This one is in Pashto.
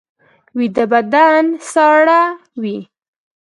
ویده بدن ساړه وي